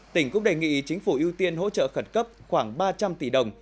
tỉnh cũng đề nghị chính phủ ưu tiên hỗ trợ khẩn cấp khoảng ba trăm linh tỷ đồng